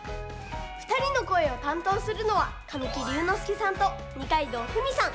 ふたりのこえをたんとうするのは神木隆之介さんと二階堂ふみさん。